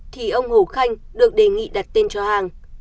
thì ông hồ khanh được đề nghị đặt tên cho hàng